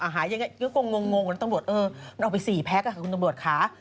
อ่ะหายอย่างไรก็งงแล้วตรวจเออมันเอาไป๔แพ็คอะคุณตรวจขา